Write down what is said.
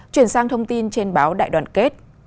chuyển sang thông tin trên báo đại đoàn kết